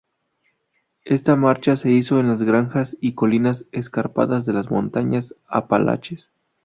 Esta marcha se hizo en las granjas y colinas escarpadas de las Montañas Apalaches.